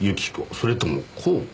それともこうこ？